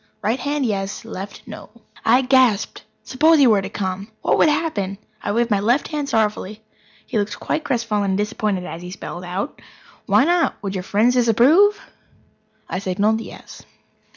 Right hand, yes; left, no." I gasped! Suppose he were to come? What would happen? I waved my left hand sorrowfully. He looked quite crestfallen and disappointed as he spelled out: "Why not? Would your friends disapprove?" I signalled: "Yes."